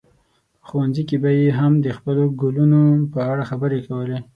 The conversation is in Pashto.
په ښوونځي کې به یې هم د خپلو ګلونو په اړه خبرې کولې.